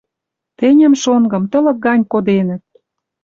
Тӹньӹм, шонгым, тылык гань коденӹт